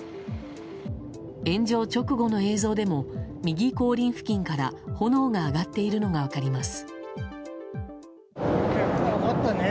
炎上直後の映像でも右後輪付近から炎が上がっているのが分かります。